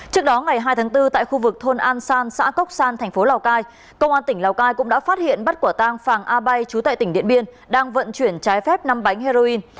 trước đó ngày hai tháng bốn tại khu vực thôn an san xã cốc san thành phố lào cai công an tỉnh lào cai cũng đã phát hiện bắt quả tang phàng a bay chú tại tỉnh điện biên đang vận chuyển trái phép năm bánh heroin